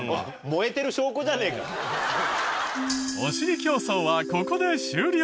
お尻競争はここで終了。